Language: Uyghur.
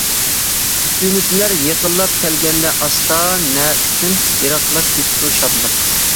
ئۈمىدلەر يېقىنلاپ كەلگەندە ئاستا، نە ئۈچۈن يىراقلاپ كېتىدۇ شادلىق.